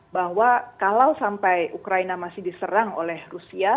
bahwa kalau sampai ukraina masih diserang oleh rusia